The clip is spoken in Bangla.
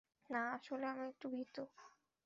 না, আসলে আমি একটু ভীত।